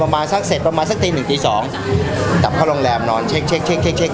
มาสักเสร็จประมาณสักตีหนึ่งตีสองกลับเข้าโรงแรมนอนเช็คเช็คเช็ค